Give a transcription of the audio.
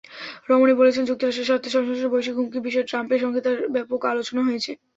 Romney বলেছেন, যুক্তরাষ্ট্রের স্বার্থ-সংশ্লিষ্ট বৈশ্বিক হুমকির বিষয়ে ট্রাম্পের সঙ্গে তাঁর ব্যাপক আলোচনা হয়েছে।